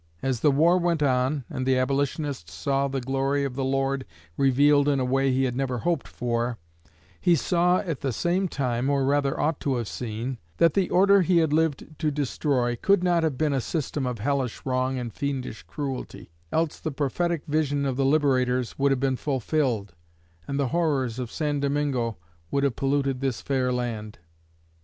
As the war went on, and the Abolitionist saw the "glory of the Lord" revealed in a way he had never hoped for, he saw at the same time, or rather ought to have seen, that the order he had lived to destroy could not have been a system of hellish wrong and fiendish cruelty; else the prophetic vision of the liberators would have been fulfilled, and the horrors of San Domingo would have polluted this fair land.